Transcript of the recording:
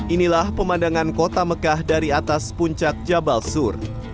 inilah pemandangan kota mekah dari atas puncak jabal sur